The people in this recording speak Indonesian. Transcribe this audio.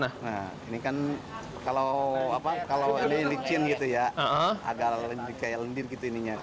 nah ini kan kalau ini licin gitu ya agak lebih kayak lendir gitu ininya